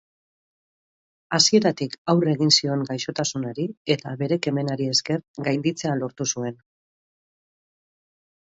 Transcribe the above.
Hasieratik aurre egin zion gaixotasunari eta bere kemenari esker gainditzea lortu zuen.